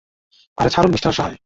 আরে ছাড়ুন মিস্টার সাহায়।